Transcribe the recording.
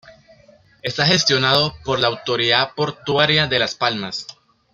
Está gestionado por la Autoridad Portuaria de Las Palmas.